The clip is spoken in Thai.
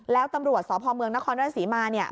แล้วตำรวจสพเมืองนครราชศรีมาเนี่ย